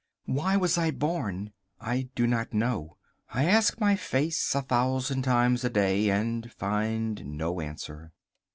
Why was I born? I do not know. I ask my face a thousand times a day and find no answer.